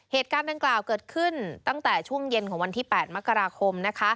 เหตุการณ์ดังกล่าวเกิดขึ้นตั้งแต่ช่วงเย็นของวันที่๘มกราคม